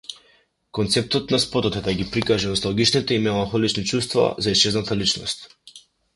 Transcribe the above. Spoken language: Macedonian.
Концептот на спотот е да ги прикаже носталгичните и меланхолични чувства за исчезната личност.